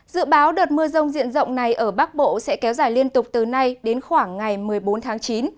dự báo đợt mưa rông diện rộng này ở bắc bộ sẽ kéo dài liên tục từ nay đến khoảng ngày một mươi bốn tháng chín